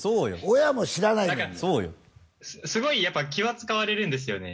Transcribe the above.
親も知らないのにすごいやっぱ気は使われるんですよね